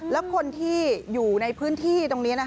แล้วคนที่อยู่ในพื้นที่ตรงนี้